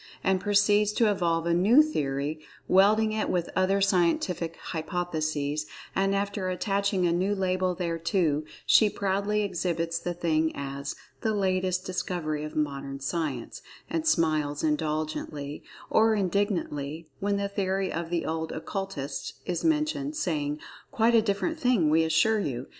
and proceeds to evolve a new theory, welding it with other scientific hypotheses, and after attaching a new label thereto, she proudly exhibits the thing as "the latest discovery of Modern Science"—and smiles indulgently, or indignantly, when the theory of the old Occultists is mentioned, saying, "Quite a different thing, we assure you!"